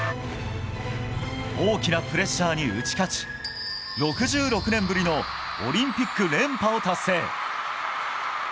大きなプレッシャーに打ち勝ち、６６年ぶりのオリンピック連覇を達成。